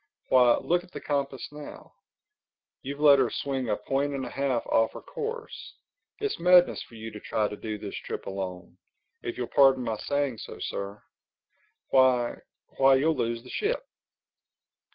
Why, look at the compass now: you've let her swing a point and a half off her course. It's madness for you to try to do this trip alone—if you'll pardon my saying so, Sir. Why—why, you'll lose the ship!"